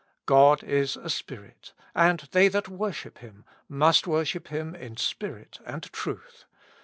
God is a Spirit : and they that worship Him must worship Him in spirit and truth.